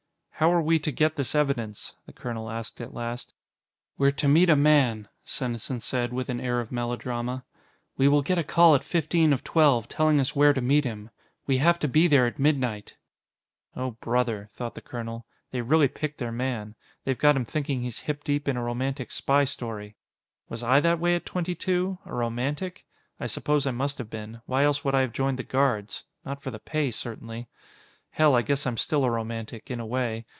"How are we to get this evidence?" the colonel asked at last. "We're to meet a man," Senesin said, with an air of melodrama. "We will get a call at fifteen of twelve, telling us where to meet him. We have to be there at midnight." Oh, brother, thought the colonel, they really picked their man. They've got him thinking he's hip deep in a romantic spy story. _Was I that way at twenty two? A romantic? I suppose I must have been; why else would I have joined the Guards? Not for the pay, certainly._ _Hell, I guess I'm still a romantic, in a way.